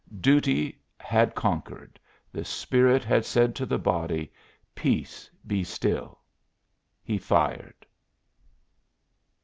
Duty had conquered; the spirit had said to the body: "Peace, be still." He fired.